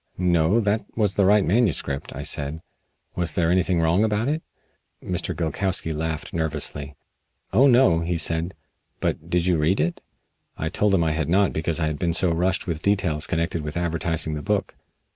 "No, that was the right manuscript," I said. "Was there anything wrong about it?" Mr. Gilkowsky laughed nervously. "Oh, no!" he said. "But did you read it?" I told him I had not because I had been so rushed with details connected with advertising the book.